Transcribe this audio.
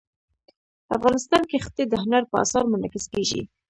افغانستان کې ښتې د هنر په اثار کې منعکس کېږي.